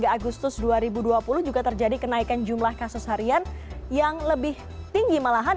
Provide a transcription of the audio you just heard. tiga agustus dua ribu dua puluh juga terjadi kenaikan jumlah kasus harian yang lebih tinggi malahan